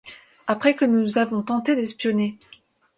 Après que nous avons tenté d’espionner.